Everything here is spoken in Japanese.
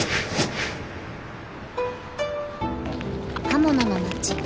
［刃物の町